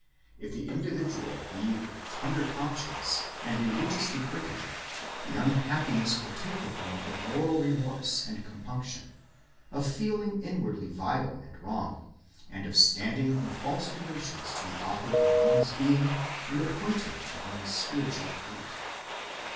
If the individual be of tender conscience and religiously quickened, the unhappiness will take the form of moral remorse and compunction, of feeling inwardly vile and wrong, and of standing in false relations to the author of one's being and appointer of one's spiritual fate.